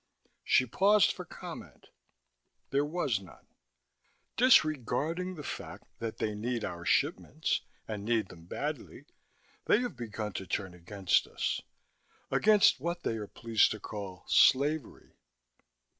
She paused for comment: there was none. "Disregarding the fact that they need our shipments, and need them badly, they have begun to turn against us. Against what they are pleased to call slavery."